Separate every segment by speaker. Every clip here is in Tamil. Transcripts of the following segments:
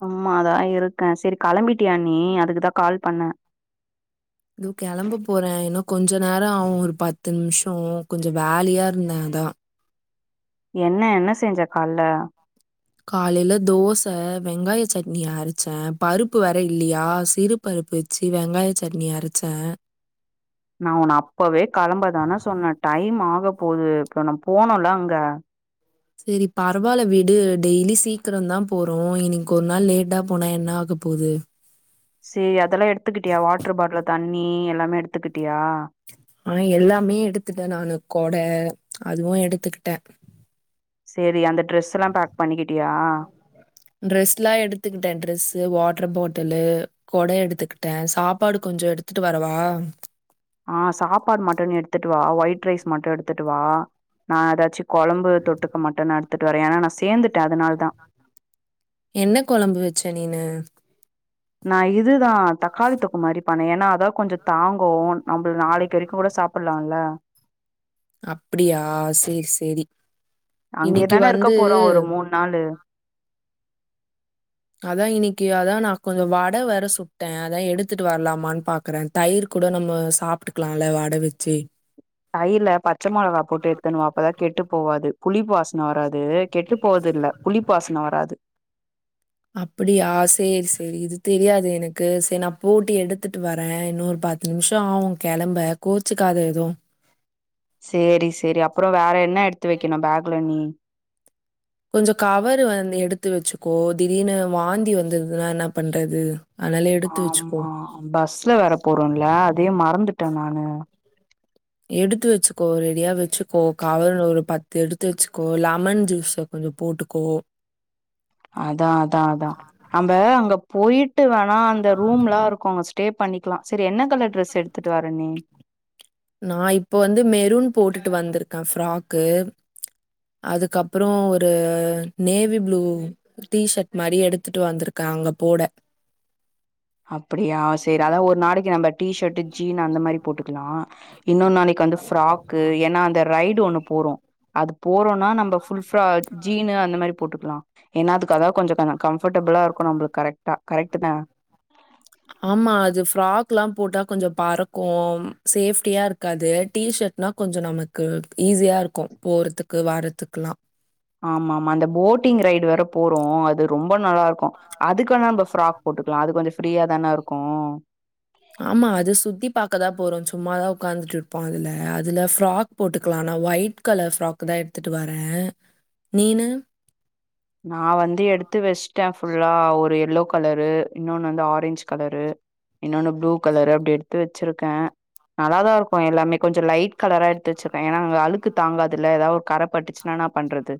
Speaker 1: சும்மாதா இருக்கே செரி கெளம்பிட்டியா நீ அதுக்குதா கால் பண்ணே
Speaker 2: இதோ கிளம்ப போறேன் இன்னும் கொஞ்ச நேரோ ஆவு ஒரு பத்து நிமிஷோ கொஞ்ச வேலையா இருந்தே அதா
Speaker 1: என்ன என்ன செஞ்ச கால்ல
Speaker 2: காலைல தோச வெங்காய சட்னி அரச்சே பருப்பு வேற இல்லியா சிறு பருப்பு வச்சு வெங்காய சட்னி அரைச்சே
Speaker 1: நா உன்ன அப்பவே கெளம்பதான சொன்னே டைம் ஆக போகுது இப்ப நம்ம போனோல்ல அங்க
Speaker 2: செரி பரவால்ல வீடு டெய்லி சீக்கிரந்தோ போறோ இன்னக்கி ஒரு நாள் லேட்டா போனா என்ன ஆகப் போது
Speaker 1: சேரி அதெல்லா எடுத்துக்கிட்டியா வாட்ரு பாட்ல தண்ணி எல்லாமே எடுத்துக்கிட்டியா
Speaker 2: ஆ எல்லாமே எடுத்துட்டே நானு கொட அதுவு எடுத்துக்கிட்டே
Speaker 1: செரி அந்த ட்ரெஸ் எல்லா பேக் பண்ணிக்கிட்டியா
Speaker 2: ட்ரெஸ்லா எடுத்துக்கிட்டே ட்ரெஸ்ஸு வாட்ரு பாட்டலு கொட எடுத்துக்கிட்டே சாப்பாடு கொஞ்சோ எடுத்துட்டு வரவா
Speaker 1: ஆ சாப்பாடு மட்டு நீ எடுத்துட்டு வா ஒயிட் ரைஸ் மட்டு எடுத்துட்டு வா நா எதாச்சு கொழம்பு தொட்டுக்க மட்டு நா எடு த்துட்டு வரே ஏன்னா நா சேந்துட்
Speaker 2: என்ன கொழம்பு வச்ச நீனு
Speaker 1: நா இது தா தக்காளி தொக்கு மாரி பண்ணே ஏன்னா அதா கொஞ்ச தாங்கு நம்பளு நாளக்கி வரைக்கு கூட சாப்படலா இல்ல
Speaker 2: அப்டியா சேரி சேரி
Speaker 1: அங்கயே
Speaker 2: இன்னக்கி
Speaker 1: தான இருக்க
Speaker 2: வந்து
Speaker 1: போறோ ஒரு மூணு நாளு
Speaker 2: அதா இன்னக்கி அதா நா கொஞ்சோ வட வேற சுட்டே அதா எடுத்துட்டு வரலாமான்னு பாக்குறே தயிர் கூட நம்ம சாப்ட்டுக்கலா இல்ல வட வெச்சு
Speaker 1: தயிருல பச்ச மொளகா போட்டு எடுத்துனு வா அப்பதா கெட்டு போவாது புளிப்பு வாசன வராது கெட்டு போறது இல்ல புளிப்பு வாசன வராது
Speaker 2: அப்பிடியா சேரி சேரி இது தெரியாது எனக்கு செரி நா போட்டு எடுத்துட்டு வரே இன்னொரு பத்து நிமிஷோ ஆகு கெளம்ப கோச்சுக்காத எது
Speaker 1: சேரி சேரி அப்புறோ வேற என்ன எடுத்து வைக்கணு பேக் ல இனி
Speaker 2: கொஞ்சோ கவரு வந்து எடுத்து வச்சுக்கோ திடீர்னு வாந்தி வந்துதுன்னா என்ன பண்றது அதனால எடுத்து வச்சுக்கோ.
Speaker 1: ஆமா பஸ்ல வேற போறோம்ல அதே மறந்துட் ட்ட நானு
Speaker 2: எடுத்து வச்சுக்கோ ரெடியா வச்சுக்கோ காலால ஒரு பத்து எடுத்து வச்சுக்கோ ஒரு லெமன் ஜூஸ கொஞ்ச போட்டுக்கோ
Speaker 1: அதா அதா அதா நம்ம அங்கப் போயிட்டு வேன் அ அந்த ரூம் லா இருக்கு ஸ்டே பண்ணிக்கலா செரி என்ன த்தன ட்ரஸ் எடுத்துட்டு வர நீ
Speaker 2: நா இப்போ வந்து மெரூன் போட்டுட்டு வந்திருக்க ஃப்ராக்கு அதுக்கப்ற ஒரு நேவி ப்ளூ டீஷர்ட் மாரி எடுத்துட்டு வந்திருக்க அங்க போட
Speaker 1: அப்படியா செரி அதா ஒரு நாளக்கு நம்ப டீஷர்ட் டு ஜீன் அந்த மாரி போட்டுக்கலா இன்னொ நாளக்கு வந்து ஃப்ராக்கு ஏன்னா அந்த ரைட் ட்டு ஒன்னு போறோ அது போறோனா நம்ப ஃபுல் ப்ரா ஜீனு அந்த மாரி போட்டுக்லா ஏன அதுக்கு அதா கொஞ்ச கம்ஃபர்டபிளா இருக்கு நம்மளுக்கு கரெக்டா கரெக்ட் தா
Speaker 2: ஆமா அது ஃப்ராக்ல்லா போட்டா கொஞ்ச பறக்கு சேஃப்ட்டியா இருக்காது டீஷர்ட்னா கொஞ்ச நமக்கு ஈஸியா இருக்கு போற்துக்கு வர்றதுக்குல்லா
Speaker 1: ஆமாமா அந்த போட்டிங் ரைடு வேர போறோ அது ரொம்ப நல்லா இருக் அதுக்கா நம்ப ஃப்ராக் போட்டுக்கலா அது கொஞ்ச ஃப்ரீயா தானே இருக்கு
Speaker 2: சும்மாதா உட்கார்ந்ட்டு இருப்போ அதுல அதுல ஃப்ராக் போட்டுக்கலா நா ஒயிட் கலர் ஃப்ராக் தா எடுத்துட்டு வர நீனு
Speaker 1: நா வந்து எடுத்து வஸ்ட்ட ஃபுல்லா ஒரு எல்லோ கலரு இன்னொன்னு வந்து ஆரஞ்ச் கலரு இன்னொன்னு ப்ளூ கலரு அப்டி எடுத்து வச்சிருக்கே நல்லாதா இருக்கு எல்லாமே கொஞ்ச லைட் கலரா எடுத்து வச்சிருக்கே ஏன்னா அங்க அழுக்கு தாங்காதுல்ல ஏதா ஒ கரப்பட்டுச்சுன்னா பண்றது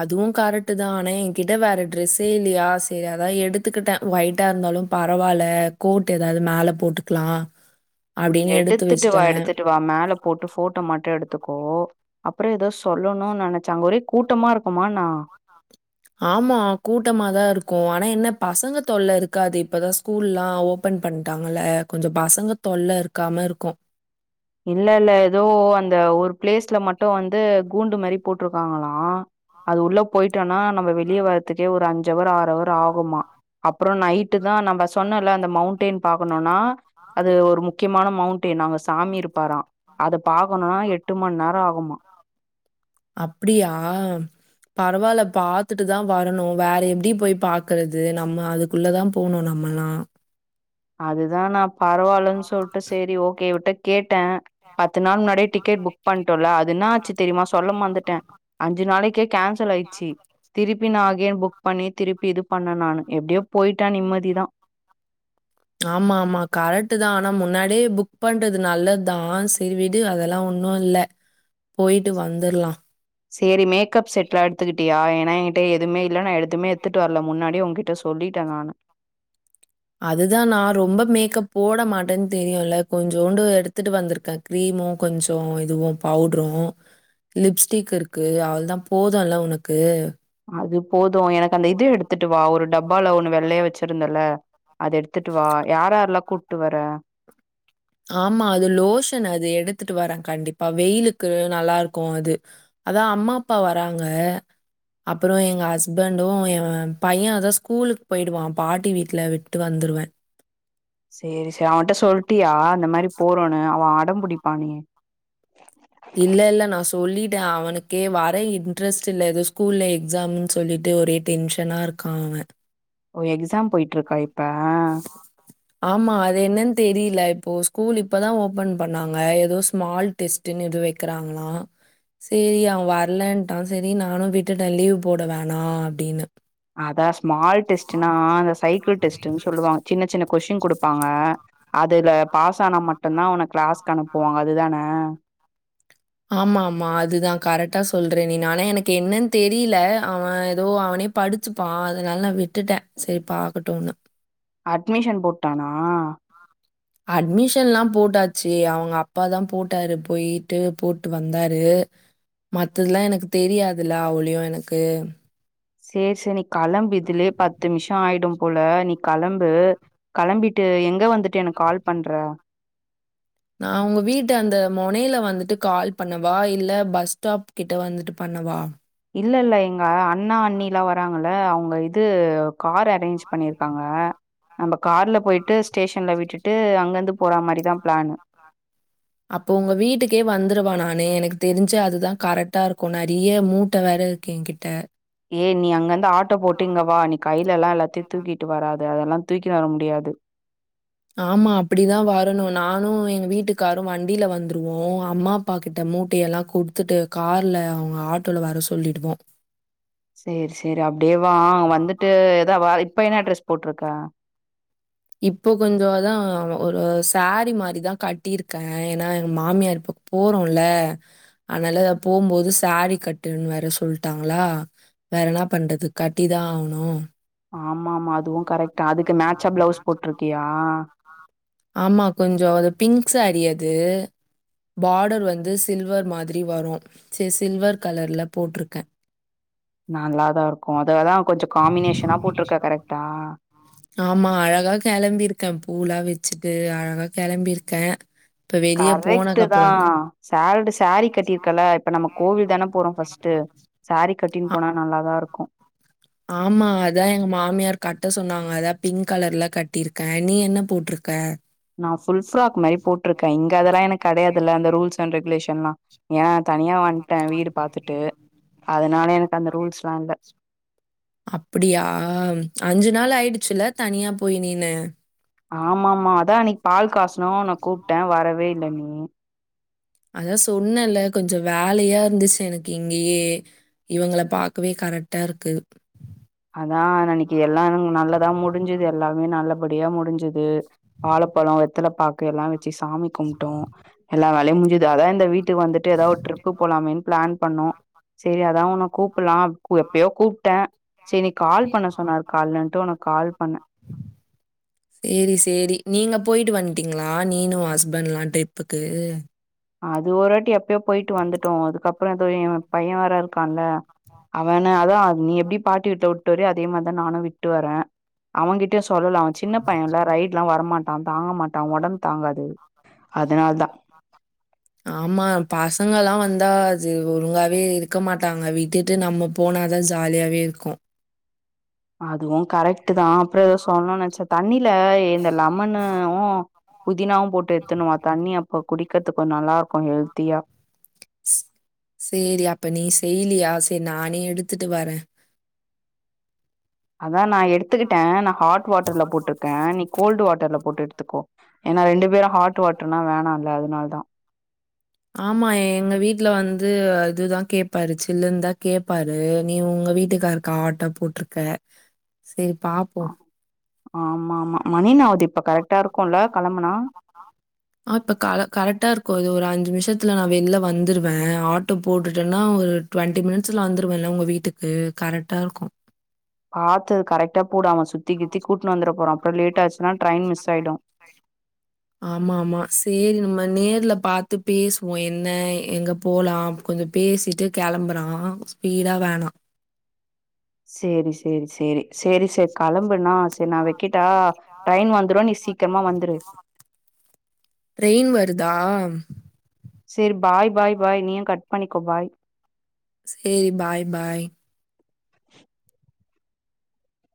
Speaker 2: அதுவு கரெக்ட தா ஆனா எங்கிட்ட வேற ட்ரஸ்ஸே இல்லியா சரி அதா எடுத்துக்கிட்டே ஒயிட்டா இருந்தாலு பரவாயில்ல கோட் ஏதாது மேல போட்டுக்லா
Speaker 1: எடுத்துட்டு வா எடுத்துட்டு வா மேல போட்டு போட்டோ மட்டு எடு த்துக்கோ அப்ற ஏதோ சொல்லணு நெனச்ச அங்க ஒரே கூட்டமா இருக்குமாண்ணா
Speaker 2: ஆமா கூட்டமாதா இருக்கு ஆனா என்ன பசங்க தொல்ல இருக்காது இப்பதா ஸ்கூல்லா ஓபன் பண்ணிட்டாங்கல்ல கொஞ்ச பசங்க தொல்ல இருக்காம இருக்கு
Speaker 1: இல்ல இல்ல ஏதோ அந்த ஒரு ப்ளேஸ்ல மட்டு வந்து கூண்டு மாரி போட்டிருக்காங்களா அது உள்ள போயிட்டனா நம்ம வெளியே வர்ரதுக்கே ஒரு அஞ்சவர் ஆறவர் ஆகுமா அப்ற நைட் ட்டுதா நம்ப சொன்னல அந்த மவுண்டேன் பாக்கணுனா அது ஒரு முக்கியமான மவுண்டே நாங்க சாமி இரு ப்பாரா அத பாக்கணுனா எட்டு மண் நேர ஆகுமா
Speaker 2: அப்டியா பரவாயில்ல பாத்துட்டுதா வரணு வேற எப்டி போய் பாக்கறது நம்ம அதுக்குள்ளதா போணு நம்மல்லா
Speaker 1: அதுதா நா பரவால்லன் சொல்ட்ட சேரி ஓகே விட்ட கேட்டே பத்து நாள் முன்னாடி டிக்கெட் புக் பண்ட்டோல்ல அதுன்னாச்சி தெரியுமா சொல்லமா மந்துட்டே அஞ்சு நாளைக் கேன்சலாயிச்சு திருப்பினா ஏ புக் பண்ணி திருப்பி இது பண்ண நானு எப்டியோ போயிட்டா நிம்மதிதா
Speaker 2: ஆமா ஆமா கரெட்டுதா ஆனா முன்னாடியே புக் பண்றது நல்லதா சேரி விடு அதெல்லா ஒன்ம் இல்ல போயிட்டு வந்துர்லா
Speaker 1: சேரி மேக்கப் செட்லா எடுத்துக்கிட்டியா என் ஏனா எங்கிட்ட எதுமே இல்ல நா எதுமே எத்துட்டு வர்ல முன்னாடி உங்கிட்ட சொல்லிட்ட நானு
Speaker 2: அதுதா நா ரொம்ப மேக்கப் போட மாட்டன் தெரியுல்ல கொஞ்சூண்டு எடுத்துட்டு வந்துருக்க கிரீமு கொஞ்சோ இதுவு பவுடுரு லிப்ஸ்டிக்கு இருக்கு அவ்ளதா போதுல்ல உனக்கு
Speaker 1: அது போது எனக்கு அந்த இது எடுத்துட்டு வாா ஒரு டப்பால ஒண்ணு வெள்ளையா வெச்சுருந்தல்ல அது எடுத்துட்டு வா யாராரெல்லா கூட்டு வர
Speaker 2: ஆமா அது லோஷன் அது எடுத்துட்டு வர கண்டிப்பா வெயிலுக்கு நல்லா இருக்கு அது அதா அம்மா அப்பா வராங்க அப்பறோ எங்க ஹஸ்பண்டு எம் பைய அதா ஸ்கூலுக்கு போயிடுவா பாட்டி வீட்ல விட்டு வந்துருவ
Speaker 1: சேரி சேர் அவன்ட்ட சொல் சொல்டியா அந்த மாரி போறோன்னு அவ ஆ அடம் புடிப்பானே
Speaker 2: இல்ல இல்ல நா சொல்லிட்ட அவனுக்கே வர இன்ட்ரெஸ்ட் இல்ல ஏதோ ஸ்கூல்ல எக்ஸாம்ன் சொல்லிட்டு ஒரே டென்ஷனா இருக்கா அவ
Speaker 1: ஓ எக்ஸாம் போயிட்டு இருக்கா இப்ப
Speaker 2: ஆமா அது என்னன் தெரியில இப்போ ஸ்கூல் இப்பதா ஓபன் பண்ணாங்க ஏதோ ஸ்மால் டெஸ்டுன்னு ஏதோ வெக்கிறாங்களா சேரி அவ வர்லன்ட்டா சேரி நானு விட்டுட்ட லீவ் போட வேணா அப்டின்னு
Speaker 1: அதாஸ் ஸ்மால் டெஸ்டுனா அந்த சைக்கிள் டெஸ்ட்டுன் சொல்லுவாங்க சின்ன சின்ன கொஷ்டின் குடுப்பாங்க அதுல பாஸ் தானா மட்டுந்தா அவன கிளாஸ்கு அனுப்புவாங்க அதுதான
Speaker 2: ஆமா ஆமா அதுதா கரெட்டா சொல்ற நீ ஆனா எனக்கு என்னன் தெரியில அவ ஏதோ அவனே படிச்சுப்பா அதனால நா விட்டுட்ட செரி பாக்கட்டுன்னு
Speaker 1: அட்மிஷன் போட்டானா
Speaker 2: அட்மிஷன்லா போட்டாச்சு அவங்க அப்பாதா போட்டாரு போயிட்டு போட்டு வந்தாரு மத்ததுல்லா எனக்கு தெரியாதுல்ல அவளியோ எனக்கு
Speaker 1: சேர் சேர் நீ களம்பு இதுலயே
Speaker 2: கடன்
Speaker 1: பத்து நிம்ஷோ ஆயிடும்
Speaker 2: நிமிஷம்
Speaker 1: போல
Speaker 2: ஆயிடுச்சு
Speaker 1: நீ
Speaker 2: போல
Speaker 1: களம்பு
Speaker 2: கடன் வந்து
Speaker 1: களம்பிட்டு எங்க வந்துட்டு எனக்கு கால் பண்ற
Speaker 2: நா உங்க வீட்டு அந்த மொனில வந்துட்டு கால் பண்ணவா இல்ல பஸ்டாப் கிட்ட வந்துட்டு பண்ணவா
Speaker 1: இல்லல்ல எங் க அண்ணா அண்ணிலா வராங் னால அவங்க இது கார் அரேஞ் பண்ணிருக்காங்க நம் கார்லப் போயிட்டு ஸ்டேஷன்ல விட்டுட் ட்டு அங்க இருந்து போறா மாரிதா பிளேன்னு
Speaker 2: அப்போ உங்க வீட்டுக்கே வந்துருவா நானு எனக்கு தெருஞ்சு அதுதா கரெட்டா இருக்கு நறைய மூட்ட வேற இருக்கு எங்கிட்ட
Speaker 1: ஏய் நீ அங்க இருந்து ஆட்டோ போட்டு இங்க வா நீ கைல எல்லா எல்லாத் த்தியு தூக்கிட்டு வராத அதெல்லா தூக்கிட்டு வர முடியாது
Speaker 2: ஆமா அப்டிதா வரணு நானு எங்க வீட்டுக்காரு வண்டில வந்துருவோ அம்மா அப்பா கிட்ட மூட்டியெல்லா குடுத்துட்டு கார்ல அவங்க ஆட்டோல வர சொல்லிடுவோ
Speaker 1: சேரி சேர் அப்டியே வா வந்துட்டு எதா இப்ப என்ன ட்ரெஸ் போட்ருக்க
Speaker 2: இப்போ கொஞ்சோதா ஒரு ஸ்சேரீ மாரிதா கட்டிருக்க ஏன்னா எங்க மாமியார் இப்ப போறோல்ல அதனால போகும்போது ஸ்சேரீ கட்டுன்னு வேற சொல்லிட்டாங்களா வேற என்ன பண்றது கட்டிதா ஆகணு
Speaker 1: ஆம்மா ஆம்மா அதுவு கரெட்டா அதுக்கு மேட்சா பிளவுஸ் போட்ருக்கியா
Speaker 2: ஆமா கொஞ்சோ அது பிங்க் ஸ்சேரீ அது பாடர் வந்து சில்வர் மாதிரி வரு சேரி சில்வர் கலர்ல போட்டுருக்க
Speaker 1: நல்லாதா இருக்கு அததா கொஞ்சோ காம்பினேஷனா போட்ருக்க கரெக்டா?
Speaker 2: ஆமா அழகா கெளம்பியிருக்கே பூ லா வச் வச்சுட்டு அழகா கெளம்பிருக்கே
Speaker 1: கரெக்டு தா சேல்ரி சேரீ கட்டிருக்கல்ல இப்ப நம்ம கோவில் தான போறோ ஃபஸ்ட் சேரீ கட்டின்னு
Speaker 2: அ
Speaker 1: போனா நல்லாதா இருக்கு
Speaker 2: ஆமா அதா எங்க மாமியார் கட்ட சொன்னாங்க அதா பிங்க் கலர்ல கட்டிருக்கே நீ என்ன போட்ருக்க
Speaker 1: நா புல் ஃப்ராக் மாரி போட்ருக்கே இங்க அதெல்லா எனக்கு கெடயாதுல்ல அந்த ரூல்ஸ் அண்ட் ரெகுலேஷன் லா ஏனா தனியா ட்டே வீடு பாத்துட்டு அதனால எனக்கு அந்த ரூல்ஸ்லா இல்ல
Speaker 2: அப்டியா அஞ்சு நாள் ஆயிடுச்ல தனியா போயி நீனு
Speaker 1: ஆமா ஆமா.. அதா அனிக் பால் காஸ்னோ உன்ன கூப்டே வரவே இல்ல நீ ம்
Speaker 2: அதா சொன்னேல கொஞ்ச வேலயா இருந்துச்சு எனக்கு இங்கயே இவங்கள பாக்கவே கரெக்டா இருக்கு
Speaker 1: அதா நினக்கிறே எல்லா நல்லதா முடிஞ்சுது எல்லாமே நல்ல படியா முடிஞ்சுது வாழப்பழ வெத்தல பாக்கு எல்லா வச்சு சாமி கும்ட்டோ எல்லா வேலயு முடிஞ்சுது அதா இந்த வீட்டுக்கு வந்துட்டு ஏதா ஒரு ட்ரிப்பு போலாமேனு பிளான் பண்ணோ சேரி அதா உன்ன கூப்புட்லா எப்பயோ கூப்டே செரி நீ கால் பண்ண சொன்னாரு கால்லன்ட்டு உனக்கு கால் பண்ண
Speaker 2: சேரி சேரி நீங்க போயிடு வந்ட்டீங்ளா நீனு உ ஹஸ்பண்ட் எலா ட்ரிப்புக்கு
Speaker 1: அது ஒருவாட்டி எப்பயோ போயிட்டு வந்துட்டோ அதுக்கப்ற ஏதோ எ பைய வேற இருக்கான்ல அவன அதா நீ எப்டி பாட்டி வீட்ல விட்டு வரியோ அதே மாரிதா நானு விட்டு வரே அவங்கிட்ட சொல்லலா சின்ன பையன்ல ரைடு எல்லா வர மாட்டா தாங்க மாட்டா ஒடம்பு தாங்காது அதனால தா
Speaker 2: ஆமா பசங்கல்லா வந்தா அது ஒழுங்காவே இருக்க மாட்டாங்க விட்டுட்டு நம போனாதா ஜாலியாவே இருக்கு
Speaker 1: அதுவு கரெக்டு தா அப்ற ஏதோ சொல்ணு நெனச்சே தண்ணி இல்ல இந்த லம்மன்னு புதினாவு போட் எத்தணுமா தண்ணி அ இப்ப குடிக்கிறதுக்கு நல்லா இருக்கு ஹெல்தியா
Speaker 2: ஸ் சேரி அப்ப நீ செய்லியா சேரி நானே எடுத்துட்டு வரே
Speaker 1: அதா நா எடுத்துக்கிட்டே நா ஹாட் வாட்டர்ல போட்ருக்கே நீ கோல்டு வாட்டர்ல போட்டு த்துக்கோ ஏன்னா ரெண்டு பேரு ஹாட் வாட்டர்னா வேணால்ல அதனால தா
Speaker 2: ஆமா எங்க வீட்ல வந்து இதுதா கேப்பாரு சில்லுனு தா கேப்பாரு நீ உங்க வீட்டுக்காருக்கு ஹாட்டா போட்ருக்க சேரி
Speaker 1: ஆ ஆமா ஆமா மணி என்ன ஆவுது இப்ப கரெட் டாருக்கு
Speaker 2: ஆ இப்ப கள கரெட்டா இருக்கு அது ஒரு அஞ் நிம்ஷத்துல நா வெளில வந்துருவ ஆட்டோ போட்டுட்டன்னா ஒரு டுவெண்டி மினிட்ஸ்ல வந்துருவல உங்க வீட்டுக்கு கரெட்டா இருக்கு
Speaker 1: பாத்து கரெட்டா போடு அவ சுத்தி கித்தி கூட்னு வந்துட போறா அப்பறோ லேட் ஆச்சுன்னா ட்ரெயின் மிஸ் ஆயிடு
Speaker 2: ஆமா ஆமா செரி நம்ம நேர்ல பாத்து பேசுவோ என்ன எங்க போலாம் கொஞ்ச பேசிட்டு கெளம்புலா ஸ்பீடா வேணா
Speaker 1: சேரி சேரி சேரி சேரி சேரி கெளம்புண்ணா சேரி நா வெக்கட்டா ட்ரெயின் வந்துரு நீ சீக்கிரமா வந்துரு
Speaker 2: ட்ரெயின் வருதா [inaudible]
Speaker 1: செரி பாய் பாய் பாய் நீயு கட் பண்ணிக்கோ பாய்
Speaker 2: சேரி பாய் பாய்
Speaker 1: [inaudible]